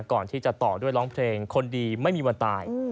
ก่อนที่จะต่อด้วยร้องเพลงคนดีไม่มีวันตาย